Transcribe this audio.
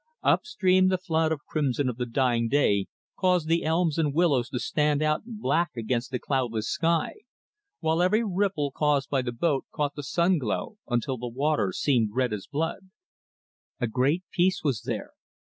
Upstream the flood of crimson of the dying day caused the elms and willows to stand out black against the cloudless sky, while every ripple caused by the boat caught the sun glow until the water seemed red as blood. A great peace was there.